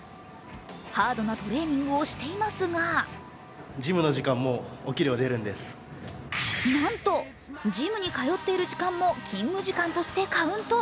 ハードなトレーニングをしていますがなんとジムに通っている時間も勤務時間としてカウント。